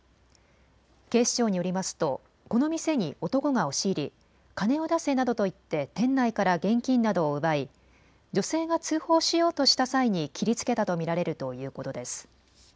警視庁によりますとこの店に男が押し入り金を出せなどと言って店内から現金などを奪い女性が通報しようとした際に切りつけたと見られるということです。